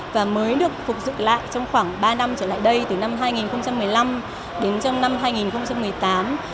và mới được phục dựng lại trong khoảng ba năm trở lại đây từ năm hai nghìn một mươi năm đến trong năm hai nghìn một mươi tám